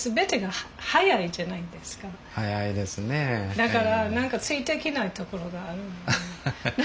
だから何かついていけないところがあるの。